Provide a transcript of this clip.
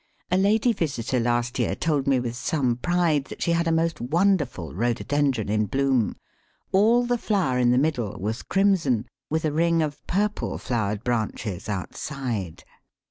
A lady visitor last year told me with some pride that she had a most wonderful Rhododendron in bloom; all the flower in the middle was crimson, with a ring of purple flowered branches outside.